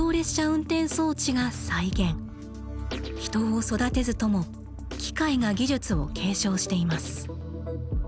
人を育てずとも機械が技術を継承しています。